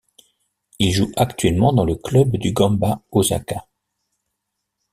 Il joue actuellement dans le club du Gamba Osaka.